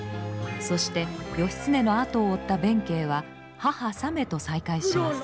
そして義経の後を追った弁慶は母さめと再会します。